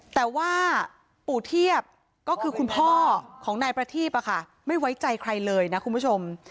แต่ว่าปู่เทียบก็คือคุณพ่อของนายประทีพไม่ไว้ใจใครเลยนะคุณผู้ชม